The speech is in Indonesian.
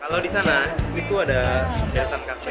kalau di sana itu ada kelihatan kapset